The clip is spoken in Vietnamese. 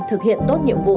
thực hiện tốt nhiệm vụ